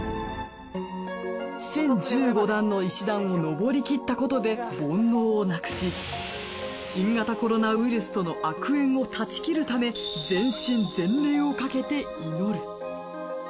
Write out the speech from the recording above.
１，０１５段の石段を上りきったことで煩悩をなくし新型コロナウイルスとの悪縁を断ち切るため全身全霊をかけて祈る